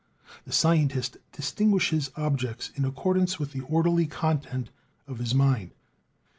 The scientist distinguishes objects in accordance with the orderly content of his mind.